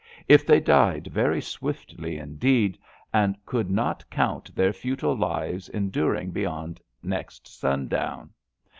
If they died very swiftly, indeed, and could not count their futile lives enduring beyond next sundown?